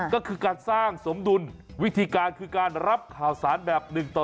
ก็คือการสร้างสมดุลวิธีการคือการรับข่าวสารแบบ๑ต่อ